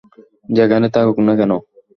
যেখানেই থাকুক না কেন!